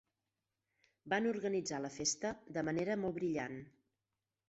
Van organitzar la festa de manera molt brillant.